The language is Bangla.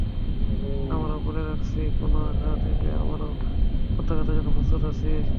আমরা বলে রাখছি, কোনো আঘাত এলে আমরাও প্রত্যাঘাতের জন্য প্রস্তুত আছি।